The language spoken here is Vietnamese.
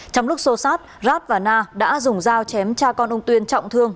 trong lúc xô sát rat và na đã dùng dao chém cha con ông tuyên trọng thương